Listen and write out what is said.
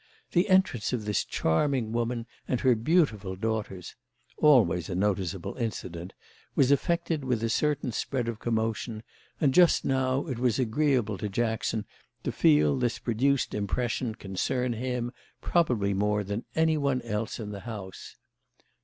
The entrance of this charming woman and her beautiful daughters—always a noticeable incident—was effected with a certain spread of commotion, and just now it was agreeable to Jackson to feel this produced impression concern him probably more than any one else in the house.